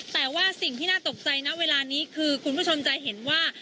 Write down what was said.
แต่ว่าสิ่งที่น่าตกใจนะเวลานี้คือคุณผู้ชมจะเห็นว่า